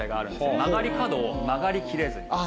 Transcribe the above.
曲がり角を曲がりきれずに。